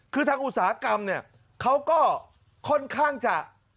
คือทางอุตสาหกรรมเนี่ยเขาก็ค่อนข้างจะ